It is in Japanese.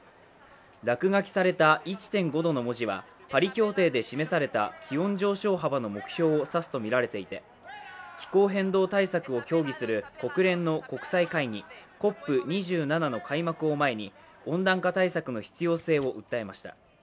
落書きされた「１．５度」の文字はパリ協定で示された気温上昇幅の目標指すとみられていて、気候変動対策を協議する国連の国際会議ＣＯＰ２７の開幕を前に温暖化対策の必要性を訴えました。